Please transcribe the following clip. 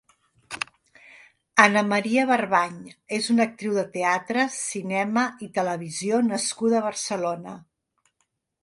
Anna Maria Barbany és una actriu de teatre, cinema i televisió nascuda a Barcelona.